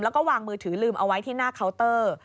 แล้วก็วางมือถือลืมเอาไว้ที่หน้าเคาน์เตอร์